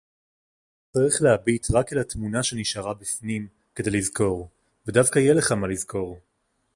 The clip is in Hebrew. תִצְטָרֵךְ לְהַבִּיט רַק אֵל הַתְמוּנָה שֶנִשְאָרָה בִּפְנִים כַּדִי לַזָכוּר – וְדַוְוקָא יִהְיֶה לְךָ מָה לַזָכוּר